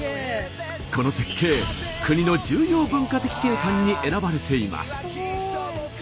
この絶景国の重要文化的景観に選ばれています。